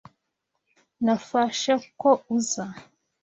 Nafashe ko uza.